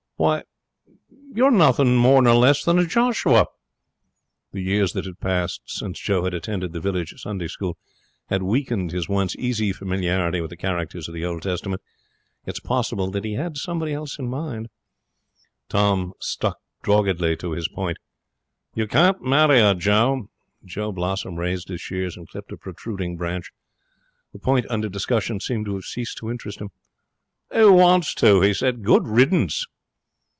'Why you're nothing more nor less than a Joshua!' The years that had passed since Joe had attended the village Sunday school had weakened his once easy familiarity with the characters of the Old Testament. It is possible that he had somebody else in his mind. Tom stuck doggedly to his point. 'You can't marry her, Joe.' Joe Blossom raised his shears and clipped a protruding branch. The point under discussion seemed to have ceased to interest him. 'Who wants to?' he said. 'Good riddance!'